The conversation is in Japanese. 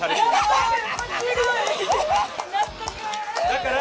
だから